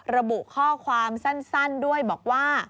ระบุข้อความสั้นด้วยบอกว่า